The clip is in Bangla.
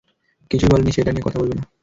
কিছুই বলেনি, সে এটা নিয়ে কথা বলবে না।